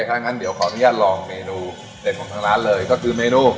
ถ้างั้นเดี๋ยวขออนุญาตลองเมนูเด่นของทางร้านเลยก็คือเมนู